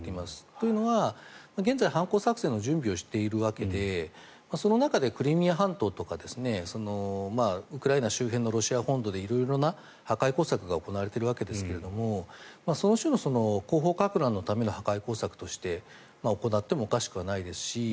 というのは現在反攻作戦の準備をしているわけでその中でクリミア半島とかウクライナ周辺のロシア本土で色々な破壊工作が行われているわけですがその種の後方かく乱のための破壊工作として行ってもおかしくないですし